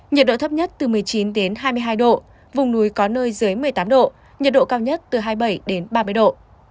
nhiệt độ thấp nhất từ một mươi chín đến hai mươi hai độ vùng núi có nơi dưới một mươi tám độ nhiệt độ cao nhất từ hai mươi bảy đến ba mươi độ